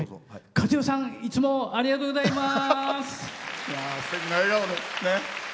かずよさん、いつもありがとうございます。